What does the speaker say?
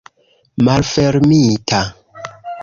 malfermita